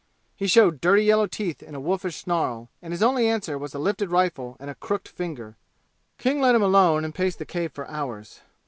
He showed dirty yellow teeth in a wolfish snarl, and his only answer was a lifted rifle and a crooked forefinger. King let him alone and paced the cave for hours.